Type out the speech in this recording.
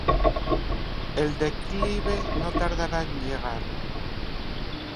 El declive no tardaría en llegar.